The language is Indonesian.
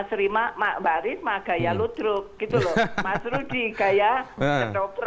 tapi mas rima mbak risma gaya lutruk